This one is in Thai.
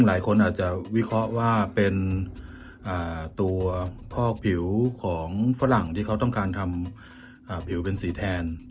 หลายคนอาจจะวิเคราะห์ว่าเป็นตัวพอกผิวของฝรั่งที่เขาต้องการทำผิวเป็นสีแทน